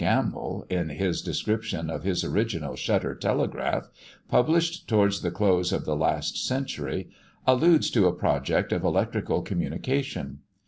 Gamble, in his description of his original shutter telegraph, published towards the close of the last century, alludes to a project of electrical communication.